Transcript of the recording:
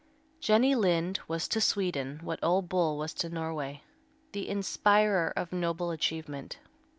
Jenny Lind was to Sweden what Ole Bull was to Norway, the inspirer of noble achievement.